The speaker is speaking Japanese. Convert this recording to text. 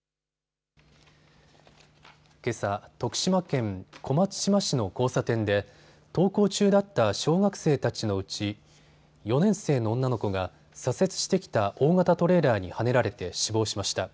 けさ、徳島県小松島市の交差点で登校中だった小学生たちのうち４年生の女の子が左折してきた大型トレーラーにはねられて死亡しました。